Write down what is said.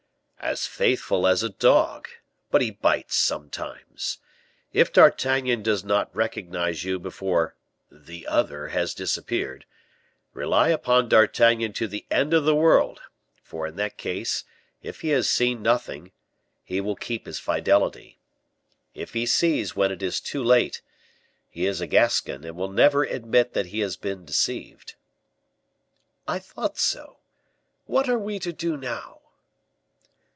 "As faithful as a dog; but he bites sometimes. If D'Artagnan does not recognize you before the other has disappeared, rely upon D'Artagnan to the end of the world; for in that case, if he has seen nothing, he will keep his fidelity. If he sees, when it is too late, he is a Gascon, and will never admit that he has been deceived." "I thought so. What are we to do, now?"